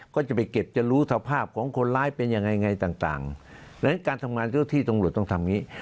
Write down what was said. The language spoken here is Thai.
ก็จะไปเก็บจะรู้สภาพของคนร้ายเป็นยังไงไงต่างดังนั้นการทำงานเจ้าที่ตำรวจต้องทำอย่างนี้